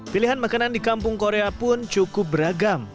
pilihan makanan di kampung korea pun cukup beragam